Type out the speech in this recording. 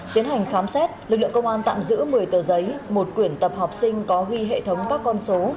tiến hành khám xét lực lượng công an tạm giữ một mươi tờ giấy một quyển tập học sinh có ghi hệ thống các con số